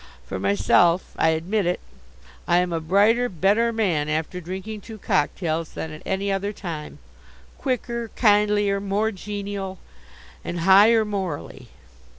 For myself I admit it I am a brighter, better man after drinking two cocktails than at any other time quicker, kindlier, more genial. And higher, morally.